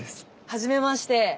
はじめまして。